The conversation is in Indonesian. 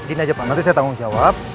ini aja pak nanti saya tanggung jawab